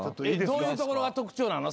どういうところが特徴なの？